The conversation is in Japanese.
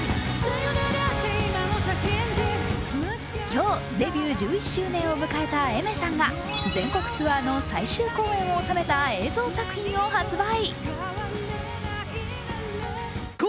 今日、デビュー１１周年を迎えたＡｉｍｅｒさんが全国ツアーの最終公演を収めた映像作品を発売。